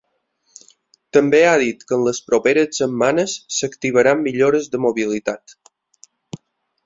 També ha dit que en les properes setmanes s’activaran millores de mobilitat.